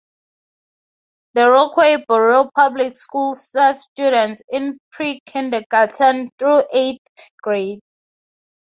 The Rockaway Borough Public Schools serve students in pre-kindergarten through eighth grade.